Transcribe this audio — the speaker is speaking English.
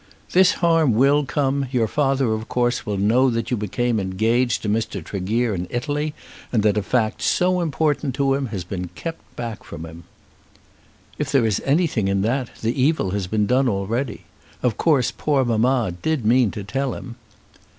"This harm will come; your father of course will know that you became engaged to Mr. Tregear in Italy, and that a fact so important to him has been kept back from him." "If there is anything in that, the evil has been done already. Of course poor mamma did mean to tell him."